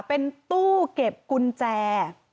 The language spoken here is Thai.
เป็นตู้เก็บกุญแจ